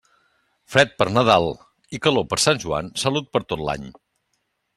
Fred per Nadal i calor per Sant Joan, salut per tot l'any.